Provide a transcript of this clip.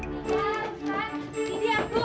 tika ruslan didi abdu